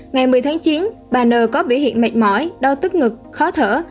ngày một mươi tháng chín bà n có biểu hiện mệt mỏi đau tức ngực khó thở